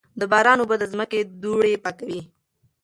د باران اوبه د ځمکې دوړې پاکوي.